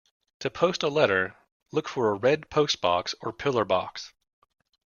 To post a letter, look for a red postbox or pillar box